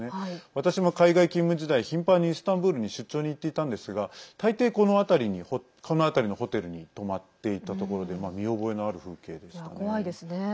私も海外勤務時代頻繁にイスタンブールに出張に行っていたんですがたいてい、この辺りのホテルに泊まっていたところで見覚えのある風景でしたね。